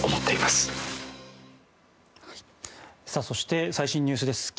そして最新ニュースです。